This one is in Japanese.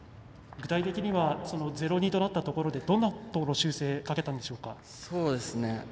具体的には０−２となったところでどんなところを修正かけたんでしょうか？